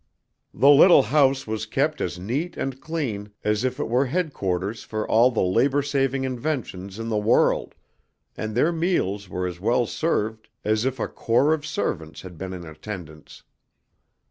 The little house was kept as neat and clean as if it were headquarters for all the labor saving inventions in the world, and their meals were as well served as if a corps of servants had been in attendance.